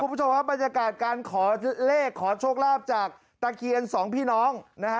คุณผู้ชมครับบรรยากาศการขอเลขขอโชคลาภจากตะเคียนสองพี่น้องนะฮะ